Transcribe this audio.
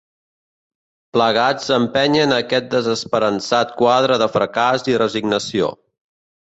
Plegats empenyen aquest desesperançat quadre de fracàs i resignació.